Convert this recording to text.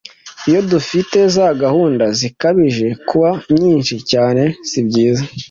Iyo dufite za gahunda zikabije kuba nyinshi cyane sibyiza,